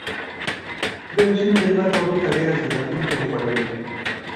د ژمي د لمر تودوخه ډېره زړه راښکونکې او خوږه وي.